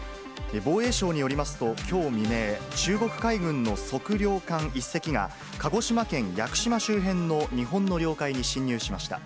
防衛省によりますと、きょう未明、中国海軍の測量艦１隻が、鹿児島県屋久島周辺の日本の領海に侵入しました。